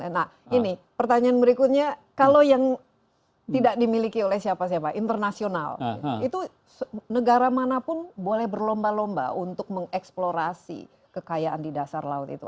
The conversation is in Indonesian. nah ini pertanyaan berikutnya kalau yang tidak dimiliki oleh siapa siapa internasional itu negara manapun boleh berlomba lomba untuk mengeksplorasi kekayaan di dasar laut itu